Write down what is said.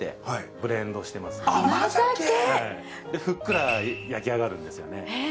ふっくら焼き上がるんですよね。